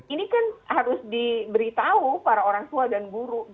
ini kan harus diberitahu para orang tua dan guru